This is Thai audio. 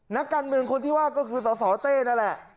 นักการเมืองคนที่ว่าก็คือสสเต้นั่นแหละ